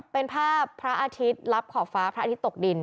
เป็นภาพพระอาทิตย์รับขอบฟ้าพระอาทิตย์ตกดิน